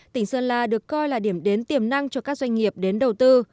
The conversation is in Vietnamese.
tỉnh sơn la được coi là điểm đến tiềm năng cho các doanh nghiệp đến đầu tư